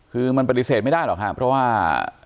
คือมันปฏิเสธไม่ได้หรอกครับเพราะว่า